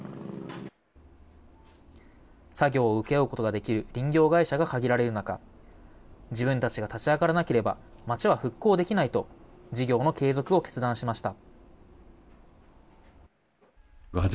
作業を請け負うことができる林業会社が限られる中、自分たちが立ち上がらなければ、町は復興できないと、事業の継続を決断しました。